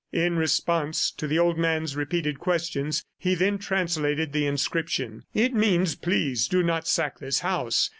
In response to the old man's repeated questions, he then translated the inscription. "It means, 'Please do not sack this house.